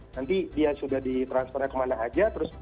nanti dia sudah di transfernya kemana saja